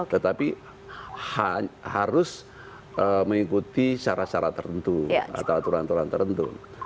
tetapi harus mengikuti syarat syarat tertentu atau aturan aturan tertentu